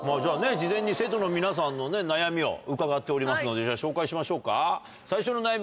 事前に生徒の皆さんの悩みを伺っておりますので紹介しましょうか最初の悩み